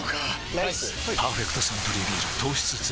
ライス「パーフェクトサントリービール糖質ゼロ」